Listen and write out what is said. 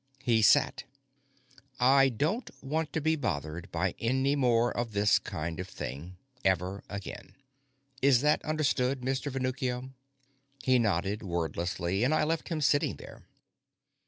He sat. "I don't want to be bothered by any more of this kind of thing. Ever again. Is that understood, Mr. Venuccio?" He nodded wordlessly, and I left him sitting there.